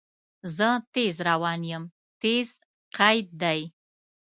زه تیز روان یم – "تیز" قید دی.